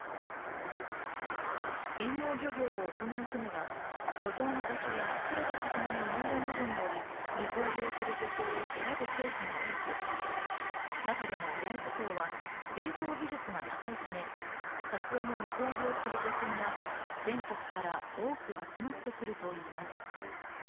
遠洋漁業を行う船は漁場の場所やとれた魚の内容などにより水揚げをする漁協を選ぶケースが多く、中でも焼津港は冷凍技術が高いため、カツオの水揚げをする漁船が全国から多く集まってくるといいます。